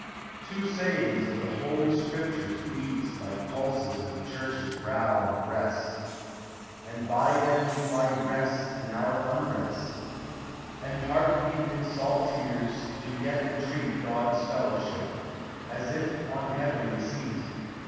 Two sayings of the Holy Scriptures beat Like pulses in the Church's brow and breast; And by them we find rest in our unrest, And heart deep in salt tears, do yet entreat God's fellowship, as if on heavenly seat.